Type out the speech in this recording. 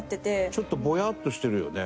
ちょっとぼやっとしてるよね。